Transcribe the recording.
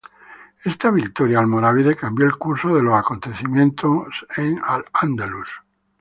Esta victoria almorávide cambió el curso de los acontecimientos en al-Ándalus.